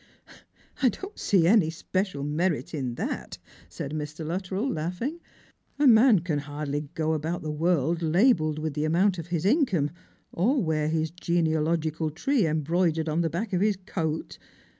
" I don't see any special merit in that," said Mr. Luttrell, laughing ;" a man can hardly go about the world labelled with the amount of his income, or wear his genealogical tree em broidered upon the back of his coat.